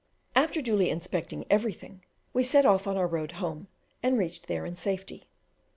After duly inspecting everything, we set off on our road home, and reached there in safety.